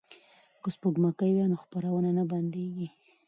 که سپوږمکۍ وي نو خپرونه نه بندیږي.